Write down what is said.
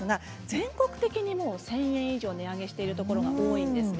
全国的に１０００円以上値上げしているところが多いんです。